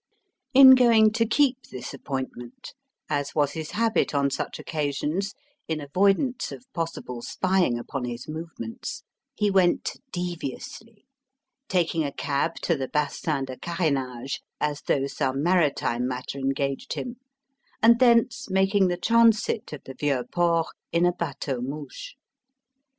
In going to keep this appointment as was his habit on such occasions, in avoidance of possible spying upon his movements he went deviously: taking a cab to the Bassin de Carènage, as though some maritime matter engaged him, and thence making the transit of the Vieux Port in a bateau mouche.